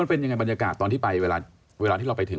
เป็นยังไงบรรยากาศตอนที่ไปเวลาที่เราไปถึง